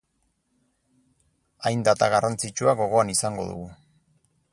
Hain data garrantzitsua gogoan izango dugu.